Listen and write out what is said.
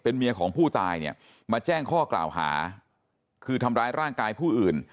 เมียของผู้ตายเนี่ยมาแจ้งข้อกล่าวหาคือทำร้ายร่างกายผู้อื่น